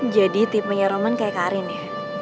jadi tipenya roman kayak karin ya